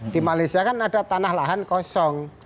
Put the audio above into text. di malaysia kan ada tanah lahan kosong